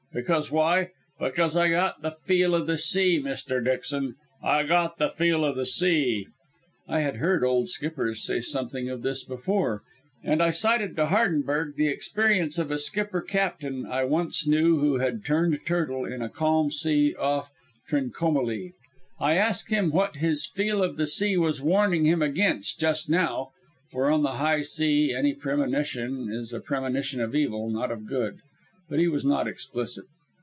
Because why? Because I got the Feel o' the Sea, Mr. Dixon. I got the Feel o' the Sea." I had heard old skippers say something of this before, and I cited to Hardenberg the experience of a skipper captain I once knew who had turned turtle in a calm sea off Trincomalee. I ask him what this Feel of the Sea was warning him against just now (for on the high sea any premonition is a premonition of evil, not of good). But he was not explicit.